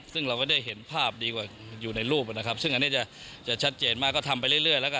ซึ่งเราก็ได้เห็นภาพดีกว่าอยู่ในรูปนะครับซึ่งอันนี้จะชัดเจนมากก็ทำไปเรื่อยแล้วก็